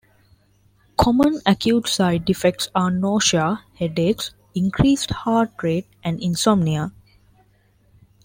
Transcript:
Common acute side effects are nausea, headaches, increased heart rate and insomnia.